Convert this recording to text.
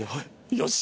よし。